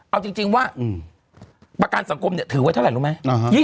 เอาจริงว่าประกันสังคมถือไว้เท่าไหร่รู้ไหม